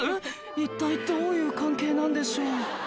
一体どういう関係なんでしょう？